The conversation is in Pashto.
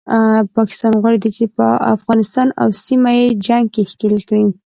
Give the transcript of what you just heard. پاکستان غواړي چې افغانستان او سیمه په جنګ کې ښکیل کړي